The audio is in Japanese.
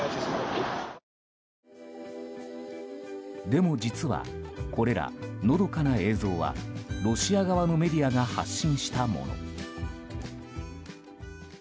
でも実はこれらのどかな映像はロシア側のメディアが発信したもの。